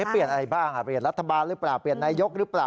เปลี่ยนอะไรบ้างเปลี่ยนรัฐบาลหรือเปล่าเปลี่ยนนายกหรือเปล่า